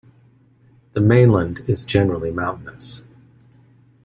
The mainland is generally mountainous.